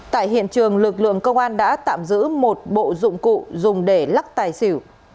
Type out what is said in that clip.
tại hiện trường lực lượng công an đã tạm giữ một bộ dụng cụ dùng để lắc tài xỉu